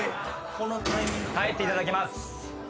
帰っていただきます。